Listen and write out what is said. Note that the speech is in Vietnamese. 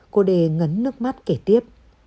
cô đề ngấn nước mắt kể tiếp